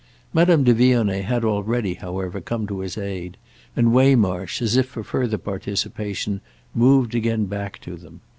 Madame de Vionnet had already, however, come to his aid, and Waymarsh, as if for further participation, moved again back to them.